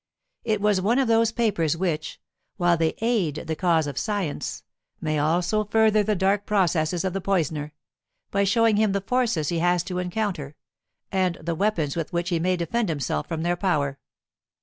It was one of those papers which, while they aid the cause of science, may also further the dark processes of the poisoner, by showing him the forces he has to encounter, and the weapons with which he may defend himself from their power.